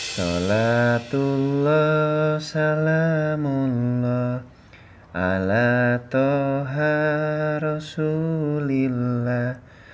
salatullah salamullah ala toha rasulillah